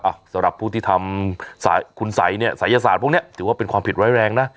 สำหรับผู้ที่ทำคุณสัยเนี่ยศัยศาสตร์พวกนี้ถือว่าเป็นความผิดไว้แรงนะ